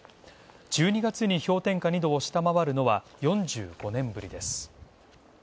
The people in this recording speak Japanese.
１２月にマイナス２度を下回るのは、４５年ぶりです。